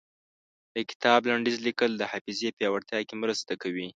د کتاب لنډيز ليکل د حافظې پياوړتيا کې مرسته کوي.